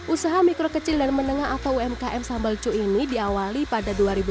usaha mikro kecil dan menengah atau umkm sambal cu ini diawali pada dua ribu dua puluh